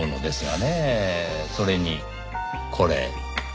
それにこれ。